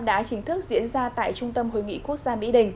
đã chính thức diễn ra tại trung tâm việt nam